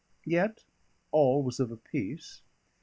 Yet all was of a piece.